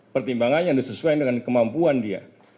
pertimbangan yang disesuaikan dengan kemampuan dia